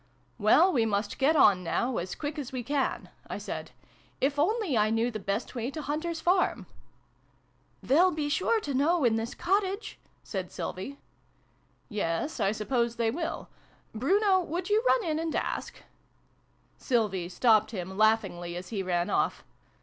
"Well, we must get on, now, as quick as we can," I said. "If only I knew the best way to Hunter's farm !"" They'll be sure to know in this cottage," said Sylvie. " Yes, I suppose they will. Bruno, would you run in and ask ?" iv] THE DOG KING. 53 Sylvie stopped him, laughingly, as he ran off.